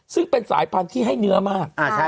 ซึ่งเป็นสายพันธุ์ที่ให้เนื้อมาก